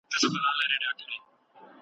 که اقتصاد خراب وي سياسي ثبات له منځه ځي.